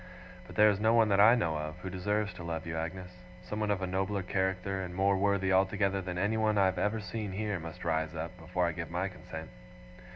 But there is no one that I know of, who deserves to love you, Agnes. Someone of a nobler character, and more worthy altogether than anyone I have ever seen here, must rise up, before I give my consent.